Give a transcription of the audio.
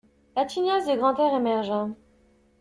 La tignasse de Grantaire émergea.